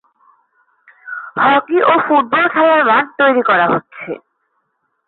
Hockey ও football খেলার মাঠ তৈরী করা হচ্ছে।